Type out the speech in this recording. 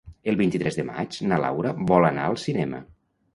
El vint-i-tres de maig na Laura vol anar al cinema.